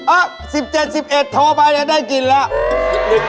อ่ะ๑๗๑๑โทรไปแล้วได้กินแล้ว